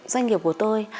doanh nghiệp của tôi